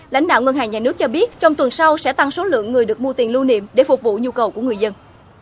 lãnh đạo ngân hàng nhà nước cho biết trong tuần sau sẽ tăng số lượng người được mua tiền lưu niệm để phục vụ nhu cầu của người dân